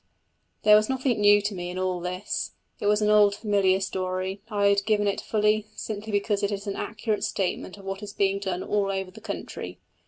There was nothing new to me in all this: it was an old familiar story; I have given it fully, simply because it is an accurate statement of what is being done all over the country.